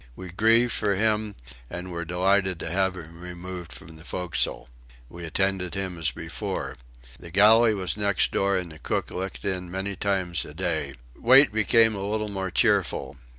We grieved for him, and were delighted to have him removed from the forecastle. We attended him as before. The galley was next door, and the cook looked in many times a day. Wait became a little more cheerful.